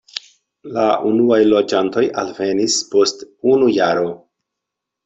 La unuaj loĝantoj alvenis post unu jaro.